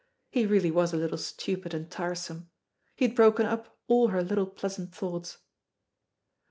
He really was a little stupid and tiresome. He had broken up all her little pleasant thoughts.